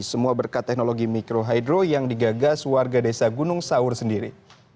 semua berkat teknologi mikrohydro yang digagas warga desa gunung sawur sendiri